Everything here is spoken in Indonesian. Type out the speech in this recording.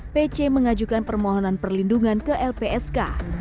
pc mengajukan permohonan perlindungan ke lpsk